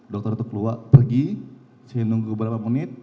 dokter itu keluar pergi saya nunggu beberapa menit